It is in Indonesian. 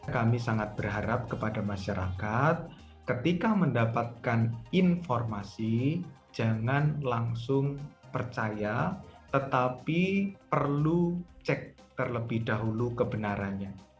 kami sangat berharap kepada masyarakat ketika mendapatkan informasi jangan langsung percaya tetapi perlu cek terlebih dahulu kebenarannya